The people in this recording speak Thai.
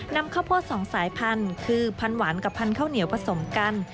นำข้าวโพดสองสายพันธุ์คือพันธหวานกับพันธุ์ข้าวเหนียวผสมกัน